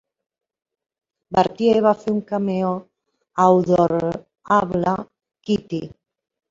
Bertie va fer un cameo a "Odor-able Kitty".